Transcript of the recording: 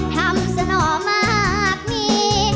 ทำสนอมากมี